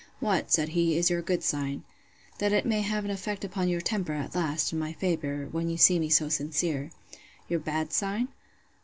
What, said he, is your good sign?—That it may have an effect upon your temper, at last, in my favour, when you see me so sincere. Your bad sign?